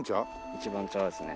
一番茶ですね。